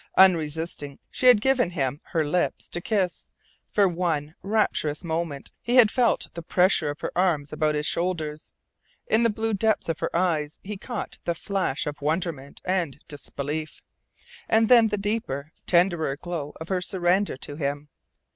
Unresisting she had given him her lips to kiss; for one rapturous moment he had felt the pressure of her arms about his shoulders; in the blue depths of her eyes he had caught the flash of wonderment and disbelief, and then the deeper, tenderer glow of her surrender to him.